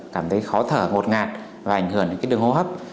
cảm thấy khó thở ngột ngạt và ảnh hưởng đến đường hô hấp